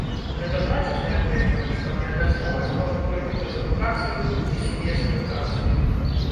Гэта значыць, мяркуе ён, што аб'яднаць моладзь можна толькі праз адукацыю і сумесную працу.